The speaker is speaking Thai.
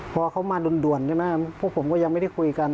พอเขามาด่วนใช่ไหมพวกผมก็ยังไม่ได้คุยกัน